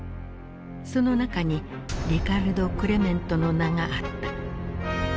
その中にリカルド・クレメントの名があった。